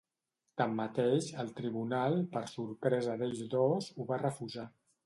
Tanmateix, el tribunal, per sorpresa d’ells dos, ho va refusar.